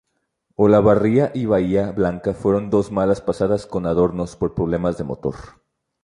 Olavarría y Bahía Blanca fueron dos malas pasadas con abandonos por problemas de motor.